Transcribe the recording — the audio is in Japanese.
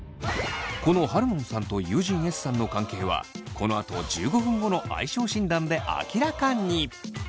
このハルノンさんと友人Ｓさんの関係はこのあと１５分後の相性診断で明らかに。